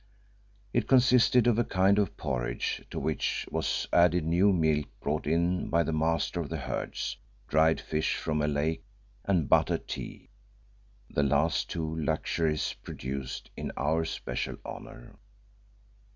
It consisted of a kind of porridge, to which was added new milk brought in by the "Master of the Herds," dried fish from a lake, and buttered tea, the last two luxuries produced in our special honour.